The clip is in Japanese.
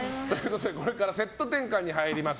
これからセット転換に入ります。